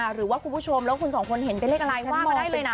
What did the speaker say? หรือว่าคุณผู้ชมแล้วคุณสองคนเห็นเป็นเลขอะไรว่ามาได้เลยนะ